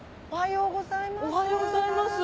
おはようございます。